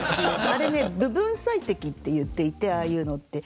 あれね部分最適って言っていてああいうのって。